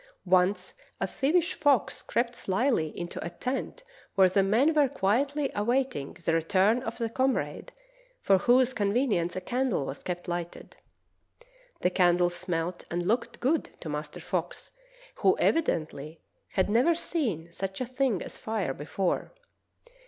Once a thievish fox crept slyly into a tent where the men were quietly awaiting the return cf a comrade for whose con venience a candle was kept Hghted. The candle smelt and looked good to Master Fox, who evidently had never seen such a thing as fire before.